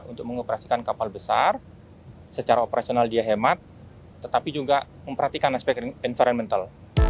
untuk mengoperasikan kapal besar secara operasional dia hemat tetapi juga memperhatikan aspek environmental